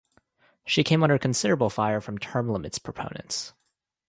She came under considerable fire from term limits proponents.